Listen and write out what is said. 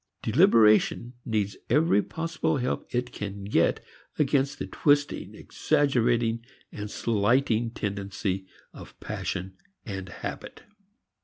Deliberation needs every possible help it can get against the twisting, exaggerating and slighting tendency of passion and habit.